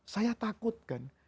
saya takut kan